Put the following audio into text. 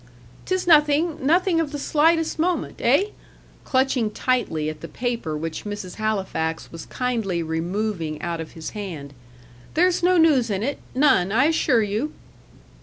"'Tis nothing. Nothing of the slightest moment. Eh?" clutching tightly at the paper which Mrs. Halifax was kindly removing out of his hand. "There's no news in it none, I assure you."